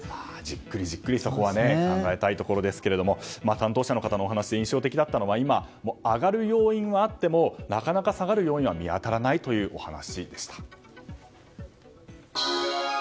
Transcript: じっくりとそこは考えたいところですが担当者の方のお話で印象的だったのは今、上がる要因はあってもなかなか下がる要因は見当たらないというお話でした。